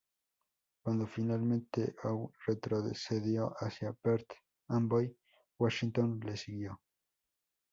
Cuando finalmente Howe retrocedió hacia Perth Amboy, Washington les siguió.